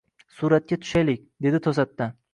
Suratga tushaylik, dedi to`satdan